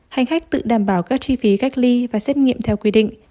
hành khách tự đảm bảo các chi phí cách ly và xét nghiệm theo quy định